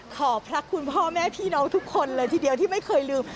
ขอบพระคุณพ่อแม่พี่น้องทุกคนเลยทีเดียวที่ไม่เคยลืม